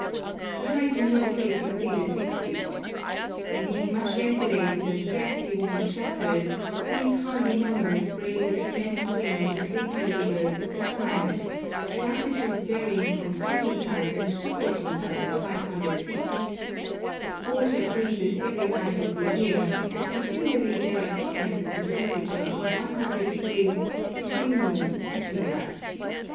The height in no case exceeded six feet. In these much ventilated and scarcely warmed shelters these hardy nomads brave the tremendous winds and winter rigours of their climate at altitudes varying from 13,000 to 14,500 feet. Water freezes every night of the year, and continually there are differences in temperature of 100° between noon and midnight.